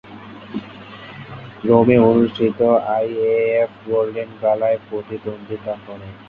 রোমে অনুষ্ঠিত IAAF golden গালায় প্রতিদ্বন্দ্বিতা করেন।